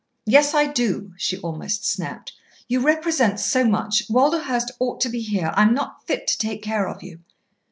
"Yes, I do," she almost snapped. "You represent so much. Walderhurst ought to be here. I'm not fit to take care of you."